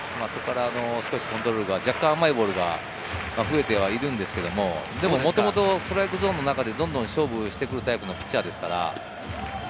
少しコントロールが甘いボールが増えてはいるんですけれども、元々ストライクゾーンの中でどんどん勝負してくるタイプのピッチャーですから。